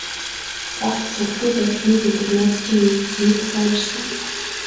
Огт сураггүй байтал нэг өдөр найз чинь ирж, чиний тухай ярьсан.